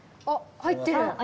あっ入ってる。